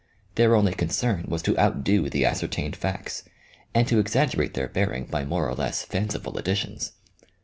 Their only concern was to outdo the ascer tained facts, and to exaggerate their bearing by more or less fanciful additions.